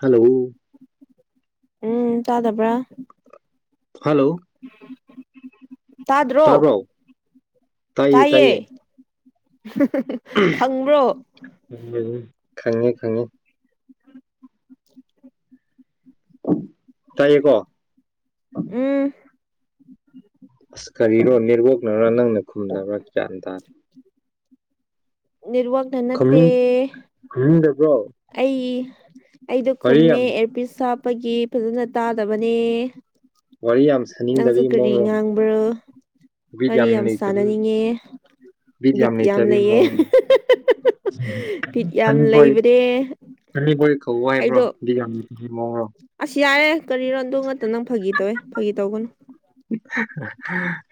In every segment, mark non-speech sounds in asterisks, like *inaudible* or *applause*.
Hello ꯎꯝ ꯆꯥꯗꯕ꯭ꯔꯥ hello ꯇꯥꯗ꯭ꯔꯣ ꯇꯕꯥꯎ ꯇꯥꯏꯌꯦ ꯇꯥꯏꯌꯦ ꯈꯪꯕ꯭ꯔꯣ ꯎ ꯎ ꯈꯪꯉꯦ ꯈꯪꯉꯤ ꯇꯥꯏꯌꯦꯀꯣ ꯎꯝ ꯀꯔꯤꯔꯣ ꯅꯦꯠꯋꯥꯛꯅꯔꯥ ꯅꯪꯅ ꯈꯨꯝꯅꯕ꯭ꯔꯥ ꯒꯌꯥꯟ ꯇꯥꯗ ꯔꯋꯥꯘꯅꯠꯇ ꯈꯨꯝꯅꯤꯡ ꯈꯨꯝꯅꯤꯡꯗꯕ꯭ꯔꯣ ꯑꯩꯗꯣ ꯋꯥꯔꯤ ꯈꯨꯝꯃꯦ ꯌꯥꯝ ꯑꯦꯌꯔꯄꯤꯁ ꯍꯥꯞꯄꯒꯤ ꯐꯖꯅ ꯇꯥꯗꯕꯅꯦ ꯋꯥꯔꯤ ꯌꯥꯝ ꯅꯪꯁꯨ ꯁꯥꯅꯤꯡꯗꯕꯒꯤ ꯀꯔꯤ ꯃꯑꯣꯡꯗꯣ ꯉꯥꯡꯕ꯭ꯔꯣ ꯋꯥꯔꯤ ꯕꯤꯖꯝ ꯌꯥꯝ ꯅꯇ ꯁꯥꯟꯅꯅꯤꯡꯉꯦ ꯕꯤꯠ ꯃꯤꯖꯝ ꯌꯥꯝ ꯅꯇꯕꯤ ꯂꯩꯌꯦ ꯃꯣꯟ ꯕꯤꯠ ꯌꯥꯝ ꯀꯅꯤꯣꯏ ꯂꯩꯕꯅꯦ ꯀꯅꯤꯣꯏ ꯀꯧ ꯋꯥꯏꯕ꯭ꯔꯣ ꯑꯩꯗꯣ ꯗꯤ ꯌꯥꯝ ꯃꯑꯣꯔꯣ ꯑꯁ ꯌꯥꯔꯦ ꯀꯔꯤꯔꯣ ꯑꯗꯨ ꯉꯥꯛꯛꯇ ꯅꯪ ꯐꯥꯒꯤ ꯇꯧꯋꯦ ꯐꯥꯒꯤ ꯇꯧꯒꯅꯨ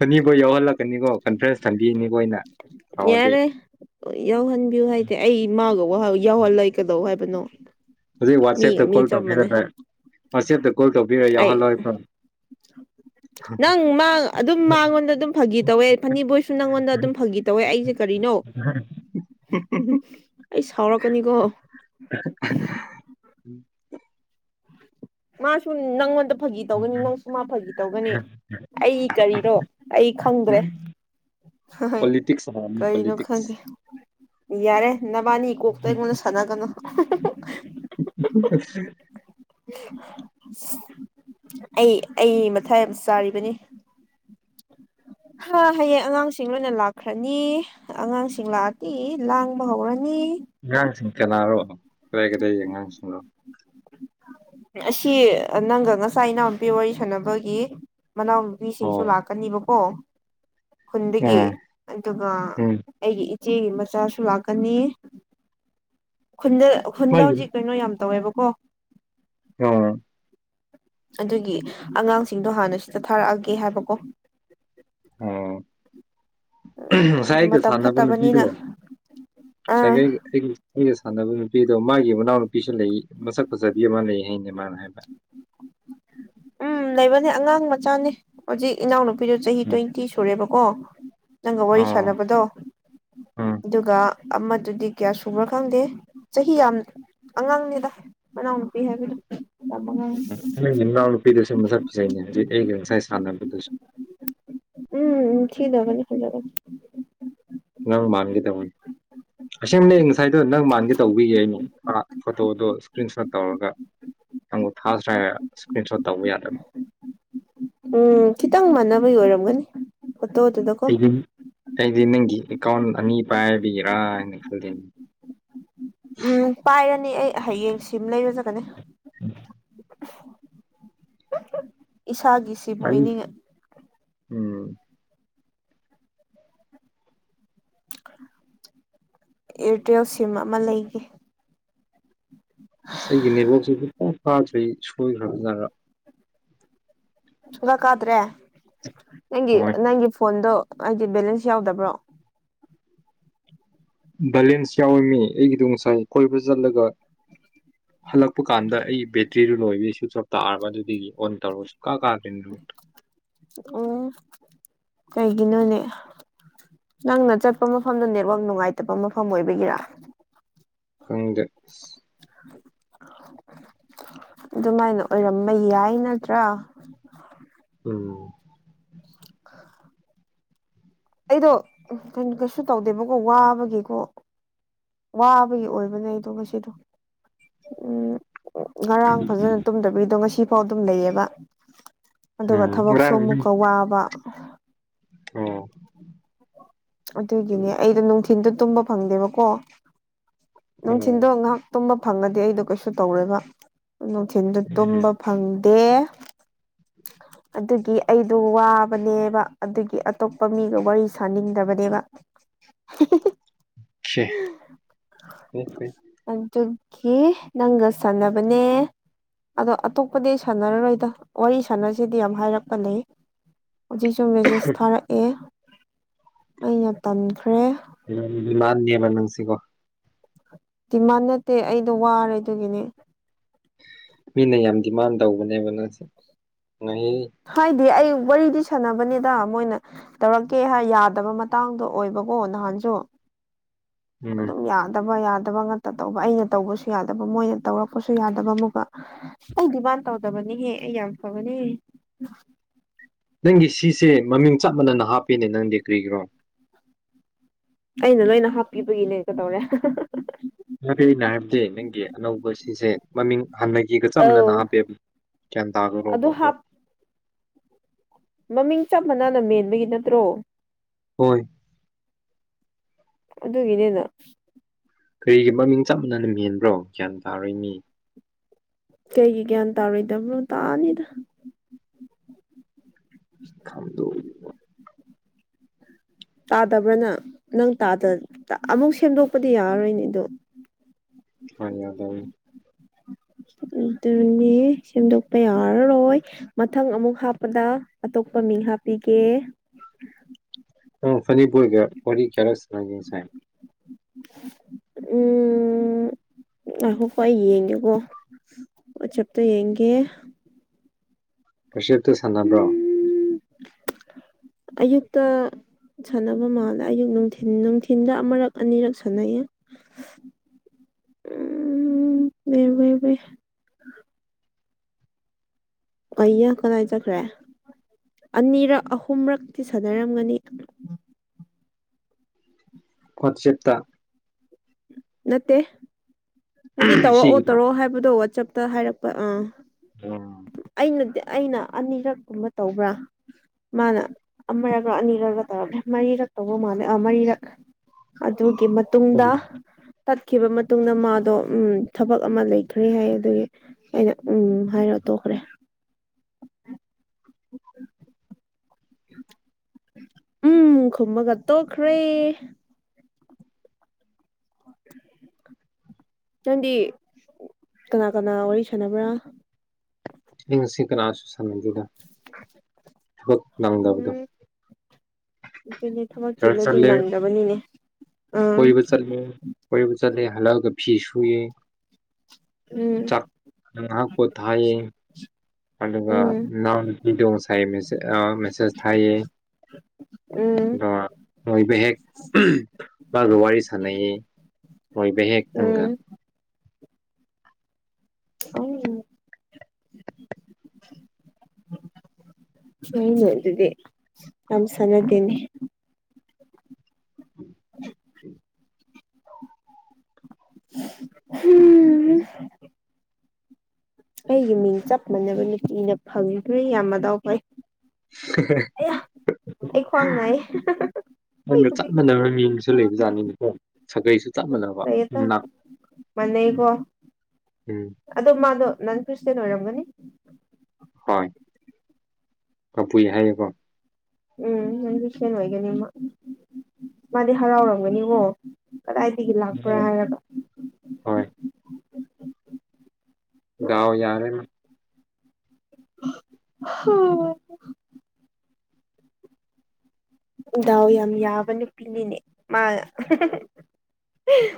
ꯑꯅꯤꯐꯥꯎ ꯌꯥꯎꯍꯜꯂꯛꯀꯅꯤꯀꯣ ꯀꯟꯐ꯭ꯔꯦꯟꯁ ꯊꯝꯕꯤꯅꯤꯀꯣ ꯑꯩꯅ ꯁꯥꯎꯔꯗꯤ ꯌꯥꯔꯦ ꯌꯥꯎꯍꯟꯕꯤꯌꯨ ꯍꯥꯏꯗꯤꯦ ꯑꯩ ꯏꯃꯥꯒ ꯌꯥꯎꯍꯜꯂ ꯀꯩꯧ ꯍꯥꯏꯕꯅꯣ ꯍꯧꯖꯤꯛ ꯃꯤꯒ ꯋꯥꯆꯦꯞꯇ ꯃꯤ ꯀꯣꯜ ꯆꯞ ꯇꯧꯕꯤꯔ ꯃꯥꯟꯅꯩ ꯋꯥꯆꯦꯞꯇ ꯀꯣꯜ ꯇꯧꯕꯤꯔ ꯌꯥꯎꯍꯜꯂꯣ ꯑꯩ ꯅꯪ ꯃꯥ ꯑꯗꯨꯝ ꯃꯥꯉꯣꯟꯗ ꯑꯗꯨꯝ ꯐꯥꯒꯤ ꯇꯧꯋꯦ ꯐꯅꯤꯕꯣꯏꯁꯨ ꯅꯪꯉꯣꯟꯗ ꯑꯗꯨꯝ ꯐꯥꯒꯤ ꯇꯧꯋꯦ ꯑꯩꯁꯦ ꯎꯝ ꯎꯝ ꯑꯩ ꯁꯥꯎꯔꯛꯀꯅꯤꯀꯣ ꯎꯝ ꯃꯥꯁ ꯅꯪꯣꯟꯗ ꯐꯥꯒꯤ ꯇꯧꯒꯅꯤ ꯅꯪꯁꯨ ꯃꯥ ꯐꯥꯒꯤ ꯇꯧꯒꯅꯤ ꯑꯩ ꯀꯔꯤꯔꯣ ꯑꯩ ꯈꯪꯗ꯭ꯔꯦ ꯍ ꯄꯣꯂꯤꯇꯤꯛꯁ ꯍꯥꯏꯔꯝꯅꯤ ꯀꯔꯤ ꯅ ꯄꯣꯂꯤꯇꯤꯛꯁ ꯈꯪꯒꯦ ꯌꯥꯔꯦ ꯅꯕꯥꯅꯤ ꯀꯣꯛꯇ ꯑꯩꯉꯣꯟꯗ ꯁꯥꯟꯅꯒꯅꯨ ꯑꯩ ꯑꯩ ꯃꯊꯥꯏ ꯌꯥꯝ ꯆꯥꯔꯤꯕꯅꯤ ꯍꯥ ꯍꯌꯦꯡ ꯑꯉꯥꯡꯁꯤꯡ ꯂꯣꯏꯅ ꯂꯥꯛꯈ꯭ꯔꯅꯤ ꯑꯉꯥꯡꯁꯤꯡ ꯂꯥꯛꯑꯗꯤ ꯂꯥꯡꯕ ꯍꯧꯔꯅꯤ ꯑꯉꯥꯡꯁꯤꯡ ꯆꯅꯥꯔꯣ ꯀꯗꯥꯏ ꯀꯗꯏ ꯑꯉꯥꯡꯁꯤꯡꯅꯣ ꯑꯁꯤ ꯅꯪꯒ ꯉꯁꯥꯏ ꯏꯅꯥꯎꯄꯤ ꯋꯥꯔꯤ ꯁꯥꯟꯅꯕꯒꯤ ꯃꯅꯥꯎꯅꯨꯄꯤꯁꯤꯡꯁꯨ ꯑꯣ ꯂꯥꯛꯀꯅꯤꯕꯀꯣ ꯈꯨꯟꯗꯒꯤ ꯑꯣ ꯑꯗꯨꯒ ꯎꯝ ꯑꯩꯒꯤ ꯏꯆꯦꯒꯤ ꯃꯆꯥꯁꯨ ꯂꯥꯛꯀꯅꯤ ꯈꯨꯟꯗ ꯈꯨꯟꯗ ꯃꯥꯒꯤꯗꯤ ꯍꯧꯖꯤꯛ ꯀꯩꯅꯣ ꯌꯥꯝ ꯇꯧꯋꯦꯕ ꯍ ꯑꯣ ꯑꯗꯨꯒꯤ ꯑꯉꯥꯡꯁꯤꯡꯗꯣ ꯍꯥꯟꯅ ꯁꯤꯗ ꯊꯥꯔꯛꯑꯒꯦ ꯍꯥꯏꯕꯀꯣ ꯑꯣ ꯉꯁꯥꯏ ꯑꯩꯒ ꯃꯇꯝ ꯁꯥꯟꯅꯕ ꯅꯨꯄꯤꯗꯣ ꯐꯠꯇꯕꯅꯤꯅ ꯉꯁꯥꯏ ꯑꯥ ꯑꯩꯒ ꯁꯥꯟꯅꯕ ꯅꯨꯄꯤꯗꯣ ꯃꯥꯒꯤ ꯃꯅꯥꯎ ꯅꯨꯄꯤꯁꯨ ꯂꯩ ꯃꯁꯛ ꯐꯖꯕꯤ ꯑꯃ ꯂꯩꯌꯦ ꯀꯅꯦꯃ ꯍꯥꯏꯕ ꯎꯝ ꯂꯩꯕꯅꯦ ꯑꯉꯥꯡ ꯃꯆꯥꯅꯦ ꯍꯧꯖꯤꯛ ꯏꯅꯥꯎꯅꯨꯄꯤꯗꯨꯣ ꯆꯍꯤ ꯇ꯭ꯋꯦꯟꯇꯤ ꯁꯨꯔꯦꯕꯀ ꯑꯣ ꯅꯪꯒ ꯋꯥꯔꯤ ꯑꯣ ꯁꯥꯟꯅꯕꯗꯣ ꯎꯝ ꯑꯗꯨꯒ ꯑꯃꯗꯨꯗꯤ ꯀꯌꯥ ꯁꯨꯕ꯭ꯔꯥ ꯈꯪꯗꯦ ꯆꯍꯤ ꯌꯥꯝ ꯑꯉꯥꯡꯅꯦꯗ ꯃꯅꯥꯎꯅꯨꯄꯤ ꯍꯥꯏꯕꯗꯣꯉꯥꯡꯅꯦ ꯄꯗꯁ ꯃꯁ ꯐꯁ ꯁꯥꯟꯗ ꯎꯝ ꯁꯤꯤꯗꯒꯅꯤ ꯊꯗꯒꯅꯤ ꯃꯥꯡꯂꯤ ꯇꯃꯣ ꯑꯁ ꯌꯥꯝ ꯂꯩ ꯉꯁꯥꯏꯗꯣ ꯅꯪ ꯃꯥꯟꯒꯦ ꯇꯧꯕꯤꯌꯦꯦꯩꯅ ꯐꯣꯇꯣꯗꯣ ꯏꯁꯀ꯭ꯔꯤꯟ ꯁꯣꯠ ꯇꯧꯔꯒ ꯇꯪ ꯊꯥꯁ ꯔꯦ ꯏꯁꯀ꯭ꯔꯤꯟ ꯁꯣꯠ ꯇꯧꯕ ꯌꯥꯗꯕ ꯎꯝ ꯈꯤꯇꯪ ꯃꯥꯟꯅꯕ ꯑꯣꯏꯔꯝꯒꯅꯤ ꯀꯠꯇ ꯍꯠꯇꯗ ꯀꯣ ꯑꯩꯗꯤ ꯑꯩꯗꯤ ꯅꯪꯒꯤ ꯑꯦꯀꯥꯎꯟ ꯑꯅꯤ ꯄꯥꯏꯕꯤꯔꯥ ꯍꯥꯏꯅ ꯈꯗꯦꯅꯦ ꯎꯝ ꯄꯥꯏꯔꯅꯤ ꯑꯩ ꯍꯌꯦꯡ ꯁꯤꯃ ꯂꯩꯔꯖꯒꯅꯤ ꯏꯁꯥꯒꯤꯁꯤꯕꯨꯣꯏꯅꯤꯡ ꯎꯝ ꯏꯌꯥꯔꯇꯦꯜ ꯁꯤꯝ ꯑꯃ ꯂꯩꯒꯦ ꯑꯁ ꯑꯩꯒꯤ ꯅꯦꯠꯋꯥꯛꯁꯦ ꯄꯨ ꯐꯥꯗ꯭ꯔꯩ ꯁꯣꯏꯈ꯭ꯔꯕꯖꯔ ꯆꯂ ꯀꯗ꯭ꯔꯦ ꯅꯪꯒꯤ ꯍꯣꯏ ꯅꯪꯒꯤ ꯐꯣꯟꯣꯟꯗꯨ ꯑꯩꯗꯤ ꯕꯦꯂꯦꯟꯁ ꯌꯥꯎꯗꯕ꯭ꯔꯣ ꯕꯦꯂꯦꯟꯁ ꯌꯥꯎꯔꯤꯃꯤ ꯑꯩꯒꯤꯗ ꯉꯅꯨꯡꯁꯥꯏ ꯀꯣꯏꯕ ꯆꯠꯂꯒ *unintelligible* ꯍꯜꯂꯛꯄ ꯀꯥꯟꯗ ꯑꯩ ꯕꯦꯇ꯭ꯔꯤꯗꯨ ꯂꯣꯏꯕ ꯁ꯭ꯋꯤꯆ ꯑꯣꯞ ꯇꯥꯒ ꯑꯗꯨꯗꯒꯤ ꯑꯣꯟ ꯇꯧꯔꯁꯨ ꯀꯥ ꯀꯥꯗꯔꯤꯟꯗꯨꯨ ꯑꯣ ꯀꯩꯒꯤꯅꯣꯅꯦ ꯅꯪꯅ ꯆꯠꯄ ꯃꯐꯝꯗ ꯅꯦꯠꯋꯥꯛ ꯅꯨꯡꯉꯥꯏꯇꯕ ꯃꯐꯝ ꯑꯣꯏꯕꯒꯤꯔꯥ ꯐꯪꯗꯦꯁ *unintelligible* ꯑꯗꯨꯃꯥꯏꯅ ꯑꯣꯏꯔꯝꯕ ꯌꯥꯏ ꯅꯠꯇ꯭ꯔꯥ ꯎꯝ *unintelligible* ꯑꯩꯗꯣ ꯀꯩꯁꯨ ꯇꯧꯗꯦꯕꯀꯣ ꯋꯥꯕꯒꯤꯦꯀꯣ ꯋꯥꯕꯒꯤ ꯑꯣꯏꯕꯅꯦ ꯑꯗꯨꯒ ꯁꯤꯗꯣ ꯎꯝ ꯉꯔꯥꯡ ꯐꯖꯅ ꯇꯨꯝꯗꯕꯤꯔꯤꯗꯣ ꯉꯁꯤ ꯐꯥꯎ ꯑꯗꯨꯝ ꯂꯩꯌꯦꯕ ꯑꯗꯨꯒ ꯊꯕꯛꯁꯨ ꯎꯝ ꯑꯃꯨꯛꯀ ꯋꯥꯕ ꯑꯣ ꯑꯗꯨꯒꯤꯅꯦ ꯑꯩꯗꯣ ꯅꯨꯡꯊꯤꯟꯜꯗ ꯇꯨꯝꯕ ꯐꯪꯗꯦꯕꯀꯣ ꯎꯝ ꯅꯨꯡꯊꯤꯟꯗꯣ ꯉꯥꯏꯍꯥꯛ ꯇꯨꯝꯕ ꯐꯪꯉꯗꯤ ꯑꯩꯗꯣ ꯀꯩꯁꯨ ꯇꯧꯔꯦꯕ ꯅꯨꯡꯊꯤꯜꯗ ꯇꯨꯝꯕ ꯐꯪꯗꯦ ꯑꯗꯨꯒꯤ ꯑꯩꯗꯣ ꯋꯥꯕꯅꯦꯕ ꯑꯗꯨꯒꯤ ꯑꯇꯣꯞꯄ ꯃꯤꯒ ꯋꯥꯔꯤ ꯁꯥꯅꯤꯡꯗꯕꯅꯦꯕ *unintelligible* ꯍꯦ ꯀ ꯅꯪꯒ ꯁꯥꯟꯅꯕꯅꯦ ꯑꯗꯣ ꯑꯇꯣꯞꯄꯗꯤ ꯑꯩ ꯁꯥꯟꯅꯔꯔꯣꯏꯗ ꯋꯥꯔꯤ ꯁꯥꯟꯅꯔꯁꯤ ꯁꯤꯗꯤ ꯌꯥꯝ ꯍꯥꯏꯔꯛꯄꯅꯦ ꯍꯧꯖꯤꯛꯁꯨ ꯃꯦꯁꯦꯁ ꯊꯥꯔꯛꯑꯦ ꯑ ꯇꯝ ꯎꯃꯥꯟꯅꯤꯃꯦ ꯅꯪꯁꯤꯀꯣ ꯗꯤꯃꯥꯟ ꯅꯠꯇꯦ ꯑꯩꯗꯣ ꯋꯥꯔꯦ ꯑꯗꯨꯒꯤꯅꯦ ꯃꯤꯅ ꯌꯥꯝ ꯗꯤꯃꯥꯟ ꯇꯧꯕꯅꯦꯕ ꯅꯁ ꯉꯍ ꯗꯤ ꯑꯩ ꯋꯥꯔꯤꯗꯤ ꯁꯥꯟꯅꯕꯅꯤꯗ ꯃꯣꯏꯅ ꯇꯧꯔꯛꯀꯦ ꯍꯥꯏ ꯌꯥꯗꯕ ꯃꯇꯥꯡꯗꯣ ꯑꯣꯏꯕꯀꯣ ꯅꯍꯥꯟ ꯌꯣ ꯎꯝ ꯑꯗꯨꯝ ꯌꯥꯗꯕ ꯌꯥꯗꯕ ꯉ ꯇ ꯇꯧꯕ ꯑꯩꯅ ꯇꯧꯕꯁꯨ ꯌꯥꯗꯕ ꯃꯣꯏꯅ ꯇꯧꯔꯛꯄꯁꯨ ꯌꯥꯗꯕ ꯑꯃꯒ ꯑꯩ ꯗꯤꯃꯥꯟ ꯇꯧꯗꯕꯅꯤꯍꯦ ꯌꯥꯝ ꯐꯕꯅꯤ ꯅꯪꯒꯤ ꯁꯤꯁꯦ ꯃꯃꯤꯡ ꯆꯞ ꯃꯥꯟꯅꯅ ꯍꯥꯞꯄꯤꯅꯦ ꯅꯪꯗꯤ ꯀ꯭ꯔꯤꯈ꯭ꯔꯣ ꯑꯩꯅ ꯂꯣꯏꯅ ꯍꯥꯞꯄꯤꯕꯒꯤꯅꯦ ꯀꯗꯧꯔꯦ ꯍꯥꯏ ꯑꯩꯅꯣ ꯍꯥꯏꯕꯗꯤ ꯅꯪꯒꯤ ꯑꯅꯧꯕ ꯁꯤꯁꯦ ꯃꯃꯤꯡ ꯍꯥꯟꯅ ꯒꯤꯒ ꯆꯞ ꯃꯅꯅ ꯑꯧ ꯍꯥꯞꯄꯦꯕ ꯒ꯭ꯌꯥꯟ ꯇꯥꯈ꯭ꯔꯣꯕ ꯑꯗꯨ ꯑꯗꯣ ꯍꯥꯞ ꯃꯃꯤꯡ ꯆꯞ ꯃꯥꯟꯅꯅ ꯃꯦꯟꯕꯒꯤ ꯅꯠꯇ꯭ꯔꯣ ꯍꯣꯏ ꯑꯗꯨꯗꯒꯤꯅꯦꯅ ꯀꯔꯤꯒꯤ ꯃꯃꯤꯡ ꯆꯞ ꯃꯥꯟꯅꯅ ꯃꯦꯟꯕ꯭ꯔꯣ ꯒ꯭ꯌꯥꯟ ꯇꯥꯔꯣꯏ ꯃꯤ ꯀꯩꯒꯤ ꯒ꯭ꯌꯥꯟ ꯇꯥꯔꯣꯏꯗꯕꯅꯣ ꯇꯥꯅꯤꯗ ꯈꯝꯗꯣ ꯇꯥꯗꯕ꯭ꯔꯥꯅ ꯅꯪꯗ ꯑꯃꯨꯛ ꯁꯦꯝꯗꯣꯛꯄꯗꯤ ꯌꯥꯔꯔꯣꯏꯅꯤ ꯑꯗꯣ ꯌꯥꯗꯕꯅꯤ ꯑꯗꯨꯅꯦ ꯁꯦꯝꯗꯣꯛꯄ ꯌꯥꯔꯔꯣꯏ ꯃꯊꯪ ꯑꯃꯨꯛ ꯍꯥꯞꯄꯗ ꯄ ꯃꯤꯡ ꯍꯥꯞꯄꯤꯒꯦ ꯃꯅꯤꯄꯨꯔ ꯀ ꯋꯥꯔꯤ ꯀꯦꯔꯂꯁꯁꯥꯏ ꯎꯝ ꯑꯣ ꯀꯏ ꯌꯦꯡꯉꯦꯀꯣ ꯆꯞꯇ ꯌꯦꯡꯒꯦ ꯄꯁꯤꯞꯇ ꯁꯥꯟꯅꯕ꯭ꯔꯣ ꯎꯝ ꯑꯌꯨꯛꯇ ꯁꯥꯟꯅꯕ ꯃꯥꯜꯂꯦ ꯑꯌꯨꯛ ꯅꯨꯡꯊꯤꯟ ꯅꯨꯡꯊꯤꯟꯗ ꯑꯃꯔꯛ ꯑꯅꯤꯔꯛ ꯁꯥꯟꯅꯩꯌꯦ ꯎꯝ *inaudible* ꯑꯏꯌꯥ ꯀꯗꯥ ꯆꯈ꯭ꯔꯦ ꯑꯅꯤꯔꯛ ꯑꯍꯨꯝꯔꯛꯇꯤ ꯁꯥꯟꯅꯔꯝꯒꯅꯤ ꯋꯥꯠꯆꯦꯞꯇ ꯅꯠꯇꯦ ꯍꯥꯏꯗꯤ ꯇꯧꯔꯛꯑꯣ ꯁꯤꯒꯤꯗ ꯇꯧꯔꯛꯑꯣ ꯍꯥꯏꯕꯗꯣ ꯋꯥꯆꯞꯇ ꯍꯥꯏꯔꯛꯄ ꯑꯥ ꯎꯝ ꯑꯩꯅꯗꯤ ꯑꯩꯅ ꯑꯅꯤꯔꯛ ꯀꯨꯝꯕ ꯇꯧꯕ꯭ꯔꯥ ꯃꯥꯅ ꯑꯃꯔꯒ ꯑꯅꯤꯔꯒ ꯇꯧꯔꯝꯃꯦ ꯃꯔꯤꯔꯛ ꯇꯧꯕ ꯃꯥꯜꯂꯦ ꯃꯔꯤꯔꯛ ꯑꯗꯨꯒꯤ ꯃꯇꯨꯡꯗ ꯎꯝ ꯇꯠꯈꯤꯕ ꯃꯇꯨꯡꯗ ꯃꯥꯗꯣ ꯎꯝ ꯊꯕꯛ ꯑꯃ ꯂꯩꯈ꯭ꯔꯦ ꯍꯥꯏ ꯑꯗꯨꯒꯤ ꯑꯩꯅ ꯎꯝ ꯍꯥꯏꯔꯛ ꯇꯣꯈꯔꯦ ꯎꯝ ꯈꯨꯝꯃꯒ ꯇꯣꯛꯈ꯭ꯔꯦ ꯅꯪꯗꯤ ꯀꯅꯥ ꯀꯅꯥ ꯋꯥꯔꯤ ꯁꯥꯟꯅꯕ꯭ꯔꯥ ꯑꯤꯡꯁꯤ ꯀꯅꯥꯁꯨ ꯁꯥꯟꯅꯗꯦꯗ ꯊꯕꯛ ꯅꯪꯗꯕꯗꯣ ꯑꯗꯨꯣꯏꯅꯦ ꯊꯕꯛ ꯆꯔꯆ ꯆꯤꯜꯂꯗꯤ ꯆꯠꯂꯦ ꯅꯪꯗ꯭ꯔꯕꯅꯤꯅꯦ ꯀꯣꯏꯕ ꯆꯠꯂꯦ ꯀꯣꯏꯕ ꯆꯠꯂꯦ ꯍꯜꯂꯛꯑꯒ ꯐꯤ ꯁꯨꯏ ꯎꯝ ꯆꯥꯛ ꯉ ꯀꯣ ꯊꯥꯏꯌꯦ ꯑꯗꯨꯒ ꯎꯝ ꯅꯎꯄꯤꯗꯣ ꯉꯥꯁꯥꯏ ꯃꯦꯁ ꯊꯥꯏ ꯎꯝ ꯑꯗꯣ ꯃꯣꯏꯕ ꯍꯦꯛ ꯕꯥ ꯋꯥꯔꯤ ꯄꯨꯋꯥꯔꯤ ꯁꯥꯟꯅꯩ ꯍꯣꯏꯕ ꯍꯦꯛꯦꯛ ꯊꯪꯒ ꯎꯝ ꯑ ꯍ ꯃꯗꯗꯤ ꯅꯥꯟ ꯁꯅꯗꯦꯅꯦ ꯎꯝ ꯑꯩꯒꯤ ꯃꯤꯡ ꯆꯞ ꯃꯥꯟꯅꯕ ꯅꯨꯄꯤꯅ ꯐꯪꯗ꯭ꯔꯦ ꯌꯥꯝ ꯑꯗꯥꯎ ꯐꯩ ꯑꯌꯥ *inaudible* ꯑꯩ ꯈ꯭ ꯋꯥꯡꯅꯥꯏ ꯅꯒ ꯆꯞ ꯃꯥꯟꯅꯕ ꯃꯤ ꯑꯃꯁꯁꯨ ꯂꯩꯕ ꯖꯥꯠꯅꯤꯅꯦꯀꯣ ꯁꯥꯒꯩꯁꯨ ꯆꯞ ꯃꯥꯟꯅꯕ ꯂꯩꯌꯦꯗ ꯃꯥꯟꯅꯩꯀꯣ ꯎꯝ ꯑꯗꯣ ꯃꯥꯗꯣ ꯅꯟ ꯈ꯭ꯔꯤꯁꯇꯦꯟ ꯑꯣꯏꯔꯝꯒꯅꯤ ꯍꯣꯏ ꯀ ꯄꯨꯏ ꯍꯥꯏꯑꯦꯀꯣ ꯎꯝ ꯐꯦꯟ ꯑꯣꯏꯒꯅꯤ ꯃꯥꯗꯤ ꯍꯔꯥꯎꯔꯝꯒꯅꯤꯀꯣ ꯀꯗꯥꯏꯗꯒꯤ ꯂꯥꯛꯄ꯭ꯔꯥ ꯍꯥꯏꯔꯕ ꯍꯣꯏ ꯥꯎ ꯌꯥꯔꯦ ꯎꯝ ꯗꯥꯎ ꯌꯥꯝ ꯌꯥꯕꯅꯨ ꯄꯤꯅꯤꯅꯦ ꯃꯥ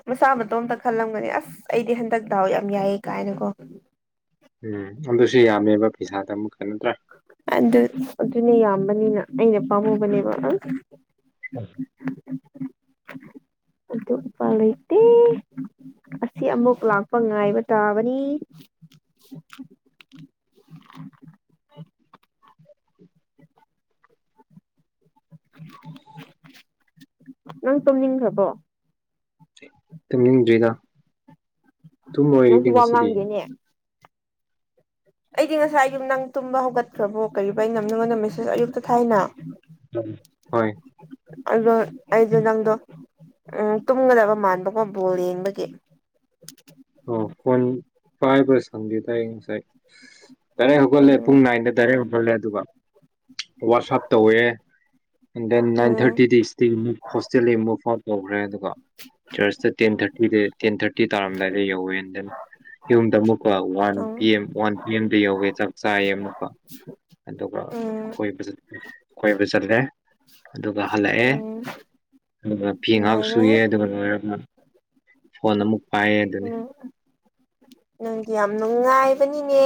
ꯃꯁꯥ ꯃꯇꯣꯝꯇ ꯈꯜꯂꯝꯒꯅꯤ ꯑꯁ ꯑꯩꯗꯤ ꯍꯟꯗꯛꯇ ꯗꯥꯎ ꯌꯥꯝ ꯌꯥꯏꯌꯦ ꯀꯥꯏꯅꯀꯣ ꯎꯝ ꯑꯗꯨꯁꯨ ꯌꯥꯝꯃꯦꯕ ꯄꯩꯁꯥꯗ ꯑꯃꯨꯛ ꯀꯩꯅ ꯅꯠꯇ꯭ꯔꯥ ꯑꯗꯨ ꯑꯗꯨꯅꯦ ꯌꯥꯝꯕꯅꯤꯅ ꯑꯩꯅ ꯄꯥꯝꯃꯨꯕꯅꯦꯕ ꯑ ꯎꯝ ꯑꯗꯨꯠꯎꯄꯥꯏ ꯂꯩꯩꯇꯦ ꯑꯁꯤ ꯑꯃꯨꯛ ꯂꯥꯛꯄ ꯉꯥꯏꯕ ꯇꯥꯕꯅꯤ *inaudible* ꯅꯪ ꯇꯨꯝꯅꯤꯡꯈ꯭ꯔꯕꯣ ꯇꯨꯝꯅꯤꯡꯗ꯭ꯔꯤꯗ ꯇꯨꯝ ꯅꯪ ꯑꯣꯏꯔꯗꯤ ꯋꯥ ꯉꯁꯤꯗꯤ ꯉꯥꯡꯗꯦꯅꯦ ꯑꯩꯗꯤ ꯉꯁꯥꯏ ꯌꯨꯝ ꯅꯪ ꯇꯨꯝꯕ ꯍꯧꯒꯠꯈ꯭ꯔꯕꯣ ꯀꯔꯤꯕ ꯑꯩꯅ ꯅꯉꯣꯟꯗ ꯃꯦꯁꯦꯁ ꯑꯌꯨꯛꯇ ꯊꯥꯏꯅ ꯍꯣꯏ ꯑꯗꯣ ꯑꯩꯗꯣ ꯅꯪꯗꯣ ꯎꯝ ꯇꯨꯝꯒꯗꯕ ꯃꯥꯟꯕꯒꯣ ꯕꯣꯜ ꯌꯦꯡꯕꯒꯤ ꯑꯣ ꯐꯣꯟ ꯄꯥꯏꯕ ꯁꯪꯗꯦ ꯇꯥꯏꯌꯦ ꯉꯁꯥꯏ ꯗꯥꯔꯦꯛ ꯍꯧꯒꯠꯂꯦ ꯄꯨꯡ ꯎꯝ ꯅꯥꯏꯟꯗ ꯗꯥꯏꯔꯦꯛ ꯍꯧꯒꯠꯂꯦ ꯑꯗꯨꯒ ꯋꯥꯛꯁꯞ ꯇꯧꯋꯦ ꯅꯟ ꯅꯏꯟ ꯎꯝ ꯊꯔꯇꯤꯗꯤ ꯏꯁ ꯍꯣꯁꯇꯦꯜꯗ ꯃꯨꯚ ꯑꯥꯎꯠ ꯇꯧꯈ꯭ꯔꯦ ꯑꯗꯨꯒ ꯆꯔꯆꯇ ꯇꯦꯟ ꯊꯥꯔꯇꯤꯗ ꯇꯦꯟ ꯊꯥꯔꯇꯤ ꯇꯥꯔꯝꯃꯦ ꯌꯧꯋꯦ ꯗ ꯌꯨꯝꯗ ꯑꯃꯨꯛꯀꯣ one um P M one P ꯑꯦꯝꯗ ꯌꯧꯋꯦ ꯆꯥꯛ ꯆꯥꯏꯌꯦ ꯑꯃꯨꯛꯀ ꯑꯗꯨꯒ ꯎꯝ ꯑꯩꯈꯣꯏꯕꯁꯨ ꯀꯣꯏꯕ ꯆꯠꯂꯦ ꯑꯗꯨꯒ ꯍꯜꯂꯛꯑꯦ ꯎꯝ ꯑꯗꯨꯒ ꯐꯤ ꯉꯥꯏꯍꯥꯛ ꯁꯨꯏ ꯅꯨꯡꯉꯥꯏꯔꯦ ꯑꯗꯨꯒ ꯂꯣꯏꯔꯒ ꯐꯣꯟ ꯑꯃꯨꯛ ꯐꯌꯦ ꯑꯗꯨꯅꯤ ꯎꯝ ꯅꯪꯗꯤ ꯌꯥꯝ ꯅꯨꯡꯉꯥꯏꯕꯅꯤꯅꯦ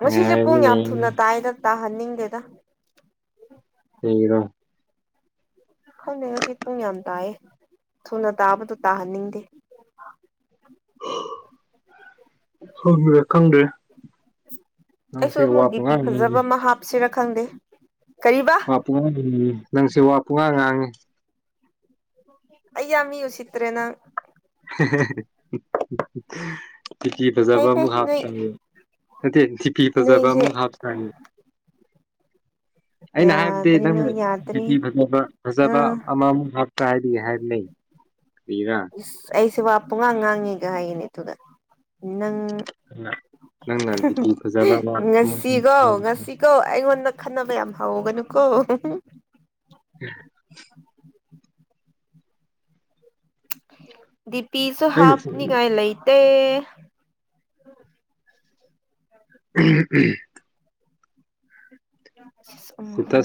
ꯉꯁꯦ ꯄꯨꯡ ꯌꯥꯝ ꯉꯥꯏꯔꯕꯅꯤꯅꯦ ꯊꯨꯅ ꯇꯥꯏꯗ ꯇꯥꯍꯟꯅꯤꯡꯗꯦꯗ ꯔꯣ ꯈꯪꯉꯩ ꯍꯧꯖꯤꯛ ꯄꯨꯡ ꯌꯥꯝ ꯇꯥꯏꯑꯦ ꯊꯨꯅ ꯇꯥꯕꯗ ꯇꯥꯍꯟꯅꯤꯡꯗꯦ ꯑ ꯍꯕꯤꯔ ꯈꯪ꯭ꯗꯦ ꯑꯩꯁꯨ ꯑꯃꯨꯛ ꯗꯤꯄꯤ ꯉꯥꯡꯉꯤ ꯐꯖꯕ ꯑꯃ ꯍꯥꯞꯁꯤꯔꯥ ꯈꯪꯗꯦ ꯀꯔꯤꯕ ꯋꯥ ꯄꯨꯡꯉ ꯅꯪꯁꯦ ꯋꯥ ꯄꯨꯡꯉꯥ ꯉꯥꯡꯉꯤ ꯑ ꯌꯥꯝ ꯃꯤ ꯎꯆꯠꯇ꯭ꯔꯦꯅꯪ ꯇꯤꯇꯤ ꯐꯖꯕ ꯐꯩ ꯑꯃꯨꯛ ꯐꯩ ꯅꯣꯏ ꯍꯥꯞꯁ꯭ꯔꯝꯃꯤ ꯅꯠꯇꯦ ꯐꯤ ꯐꯤ ꯐꯖꯕ ꯅꯣꯏꯁꯦ ꯑꯃꯨꯛ ꯍꯥꯞꯈꯅꯤ *unintelligible* ꯑꯩꯅ ꯍꯥꯏꯕꯗꯤ ꯅꯣꯏ ꯅꯪꯅꯤ ꯌꯥꯗ꯭ꯔꯦ ꯐꯖ ꯐꯖꯕ ꯑꯥ ꯑꯃꯃꯨꯛ ꯍꯥꯞꯀ ꯍꯥꯏꯗꯤ ꯍꯥꯏꯕ ꯂꯩ ꯎꯝ ꯏꯁ ꯑꯩꯁꯦ ꯋꯥ ꯄꯨꯡꯉꯥꯡ ꯉꯥꯡꯉꯦꯒ ꯍꯥꯏꯒꯅꯦ ꯑꯗꯨꯗ ꯅꯪ ꯅꯪꯅ ꯗꯤꯄꯤ ꯐꯖꯕ ꯑꯃ ꯑꯃꯨꯛ ꯉꯁꯤꯒꯣ ꯉꯁꯤꯒꯣ ꯑꯩꯉꯣꯟꯗ ꯈꯟꯅꯕ ꯌꯥꯝ ꯍ ꯍꯧꯒꯅꯨꯀꯣ ꯗꯤꯄꯤꯁꯨ ꯑꯩꯅ ꯍꯥꯞꯅꯉꯥꯏ ꯂꯩꯇꯦ꯫ ꯎꯝ ꯎꯝ ꯎꯝ ꯁꯤꯇ ꯎꯝ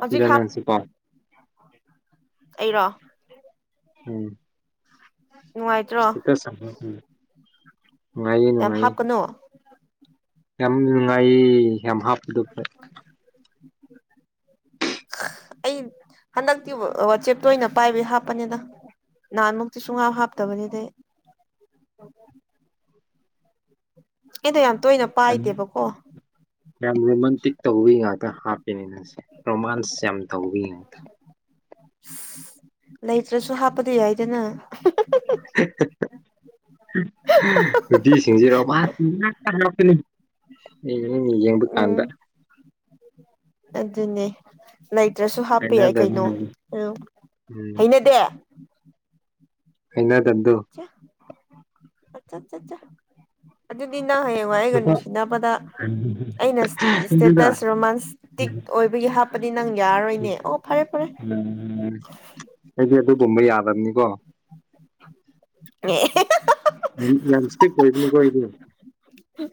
ꯍꯧꯖꯤꯛ ꯍꯥꯞ ꯅꯁꯤꯀꫭ ꯑꯩꯔꯣ ꯎꯝ ꯅꯨꯡꯉꯥꯏꯇ꯭ꯔꯣ ꯏꯁ ꯎꯝ ꯅꯨꯡꯉꯥꯏꯌꯦ ꯌꯥꯝ ꯅꯨꯡꯉꯥꯏꯌꯦ ꯍꯥꯞꯀꯅꯨ ꯌꯥꯝ ꯅꯨꯡꯉꯥꯏꯌꯦ ꯌꯥꯝ ꯍꯥꯞꯄꯗ ꯐ *unintelligible* ꯑꯩ ꯍꯟꯗꯛꯇꯤ ꯋꯥꯆꯦꯞꯇ ꯑꯣꯏꯅ ꯄꯥꯏꯕꯩ ꯍꯥꯞꯄꯅꯤꯗ ꯅꯍꯥꯟꯃꯨꯛꯇꯤ ꯁꯨꯡꯍꯥ ꯍꯥꯞꯇꯕꯅꯤꯗꯤ ꯏꯗ ꯌꯥ ꯌꯥꯝ ꯔꯣꯃꯥꯟꯇꯤꯛ ꯇꯧꯋꯤ ꯉꯥꯛꯇ ꯍꯥ ꯅꯤꯅꯁꯦ ꯔꯣꯃꯥꯟꯁ ꯌꯥꯝ ꯇꯧꯕꯤꯉꯇ ꯂꯩꯇ꯭ꯔꯁꯨ ꯍꯥꯞꯄꯗꯤ ꯌꯥꯏꯗꯅ *unintelligible* ꯅꯨꯄꯤꯁꯤꯡꯁꯤꯔꯣꯄꯅꯤ ꯎꯝ ꯌꯦꯡꯕ ꯀꯥꯟꯗ ꯎꯝ ꯑꯗꯨꯅꯦ ꯂꯩꯇ꯭ꯔꯁꯨ ꯍꯥꯞꯄ ꯌꯥꯏ ꯀꯩꯅꯣ ꯍꯩꯅꯗꯕꯅꯤ ꯎ ꯎꯝ ꯍꯩꯅꯗꯦ ꯑꯩꯅ ꯇꯗꯨꯣ ꯠꯠ ꯑꯗꯨꯗꯤ ꯏ ꯅꯪ ꯍꯌꯦꯡꯋꯥ ꯍꯥꯏꯒ ꯅꯨꯄꯥ ꯅꯨꯡꯁꯤꯗꯄꯗ ꯑꯩꯅ ꯁꯤꯡꯖꯨꯗ ꯏꯁꯇꯦꯇꯁ ꯔꯣꯃꯥꯟꯇꯤꯛ ꯑꯣꯏꯕꯒꯤ ꯍꯥ ꯎꯝ ꯑꯩꯁꯦ ꯑꯗꯨꯒꯨꯝꯕ ꯌꯥꯗꯕꯅꯤꯀꯣ ꯑꯦ ꯅꯁꯦ ꯄꯣꯏꯕꯅꯤ ꯀꯣ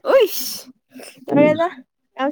ꯑꯣꯏꯏꯁ ꯇꯔꯦꯖ ꯑꯣꯏ